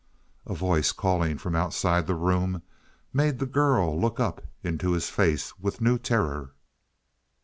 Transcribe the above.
A voice, calling from outside the room, made the girl look up into his face with new terror.